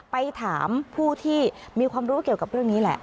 ไปถามผู้ที่มีความรู้เกี่ยวกับเรื่องนี้แหละ